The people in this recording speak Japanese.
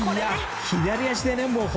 左足でね。